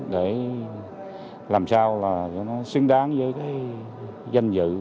để làm sao là cho nó xứng đáng với cái danh dự